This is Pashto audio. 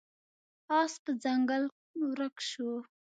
اس په ځنګل کې ورک شو.